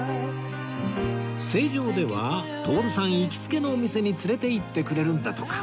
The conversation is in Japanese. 成城では徹さん行きつけのお店に連れていってくれるんだとか